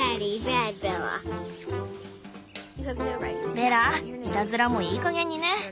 ベラいたずらもいいかげんにね。